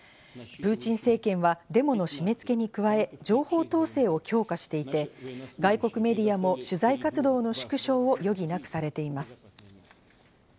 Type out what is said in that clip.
プーチン政権はデモの締め付けに加え、情報統制を強化していて、外国メディアも取材活動の縮小を余儀なくされています。